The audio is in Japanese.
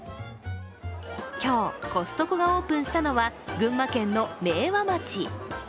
今日、コストコがオープンしたのは群馬県の明和町。